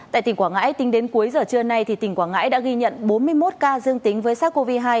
tại tỉnh quảng ngãi tính đến cuối giờ trưa nay tỉnh quảng ngãi đã ghi nhận bốn mươi một ca dương tính với sars cov hai